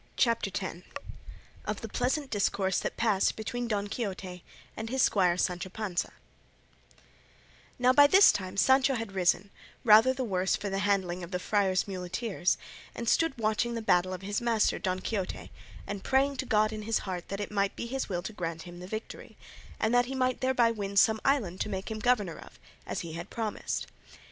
CHAPTER X. OF THE PLEASANT DISCOURSE THAT PASSED BETWEEN DON QUIXOTE AND HIS SQUIRE SANCHO PANZA Now by this time Sancho had risen, rather the worse for the handling of the friars' muleteers, and stood watching the battle of his master, Don Quixote, and praying to God in his heart that it might be his will to grant him the victory, and that he might thereby win some island to make him governor of, as he had promised.